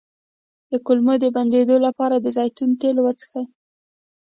د کولمو د بندیدو لپاره د زیتون تېل وڅښئ